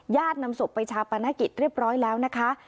นำศพไปชาปนกิจเรียบร้อยแล้วนะคะ